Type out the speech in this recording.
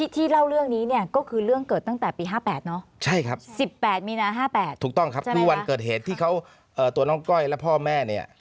ที่เล่าเรื่องนี้เนี่ยก็คือเรื่องเกิดตั้งแต่ปี๕๘เนาะ